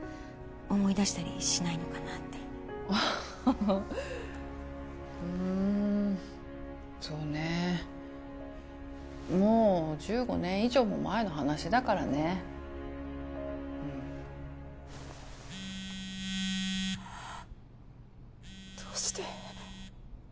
思い出したりしないのかなってアッハハうんそうねもう１５年以上も前の話だからねうんどうして？